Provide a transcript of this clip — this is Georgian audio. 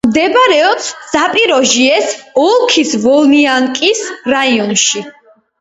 მდებარეობს ზაპოროჟიეს ოლქის ვოლნიანსკის რაიონში.